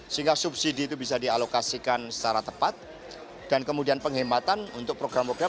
sehingga subsidi itu bisa dialokasikan secara tepat dan kemudian penghematan untuk program program